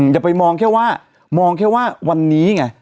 จะไปมองแค่ว่าวันนี้ไง